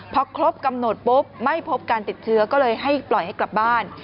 พอครบกำหนดปุ๊บไม่พบการติดเชื้อก็เลยให้ปล่อยให้กลับบ้าน